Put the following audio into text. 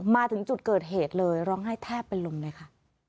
มาถึงจุดเกิดเหตุเลยร้องไห้แทบเป็นลมเลยค่ะ